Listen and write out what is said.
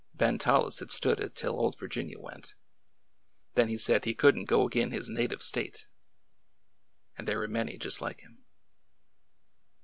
Ben Tolies had stood it till old Virginia went; then he said he could n't '' go ag'in' his native State." And there were many just like him.